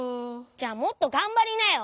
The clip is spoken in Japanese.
じゃあもっとがんばりなよ。